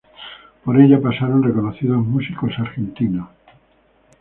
Por ella pasaron reconocidos músicos argentinos.